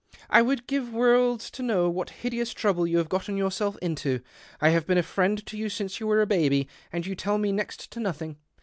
" I would give worlds to know what hideous trouble you have got yourself into. I have been a friend to you since you were a baby, and you tell me next to nothing.